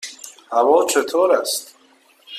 هوا چطور است؟